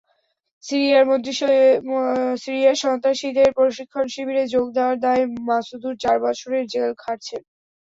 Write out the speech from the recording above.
সিরিয়ায় সন্ত্রাসীদের প্রশিক্ষণ শিবিরে যোগ দেওয়ার দায়ে মাসুদুর চার বছরের জেল খাটছেন।